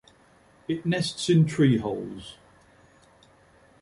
It nests in tree holes.